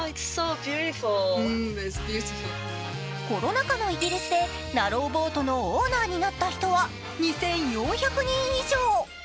コロナ禍のイギリスでナローボートのオーナーになった人は２４００人以上。